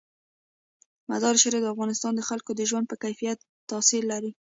مزارشریف د افغانستان د خلکو د ژوند په کیفیت تاثیر لري.